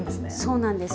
そうなんです。